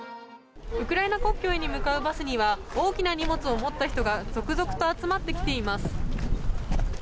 ウクライナ国境に向かうバスには大きな荷物を持った人が続々と集まってきています。